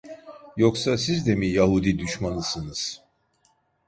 Yoksa siz de mi Yahudi düşmanısınız?